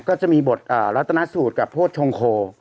ก็จะมีบทรัฐนสูตรกับโพธิชงโค